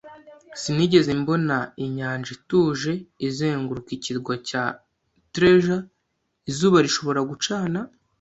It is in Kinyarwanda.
Sinigeze mbona inyanja ituje izenguruka Ikirwa cya Treasure. Izuba rishobora gucana